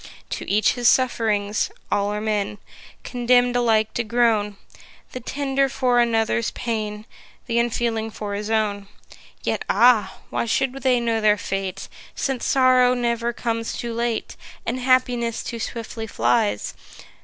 To each his suff'rings: all are men, Condemn'd alike to groan, The tender for another's pain; Th' unfeeling for his own. Yet ah! why should they know their fate? Since sorrow never comes too late, And happiness too swiftly flies.